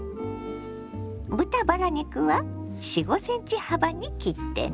豚バラ肉は４５ｃｍ幅に切ってね。